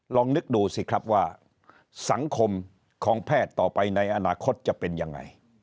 ลองนึกดูสิครับว่าสังคมของแพทย์ต่อไปในอนาคตจะเป็นยังไง